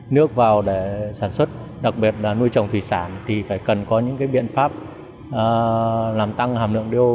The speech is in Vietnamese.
nước vào để sản xuất đặc biệt là nuôi trồng thủy sản thì phải cần có những biện pháp làm tăng hàm lượng do